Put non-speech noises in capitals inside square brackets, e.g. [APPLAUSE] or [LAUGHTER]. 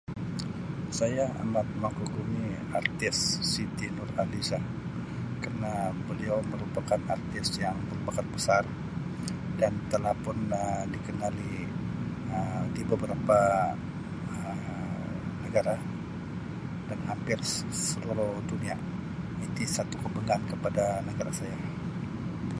Saya amat mengkagumi artis Siti Nurhalizah kerna beliau merupakan artis yang berbakat besar dan telah pun Um dikenali Um di beberapa Um negara lah dan hampir se-seluruh dunia [UNINTELLIGIBLE] menjadi satu kebanggaan kepada negara saya.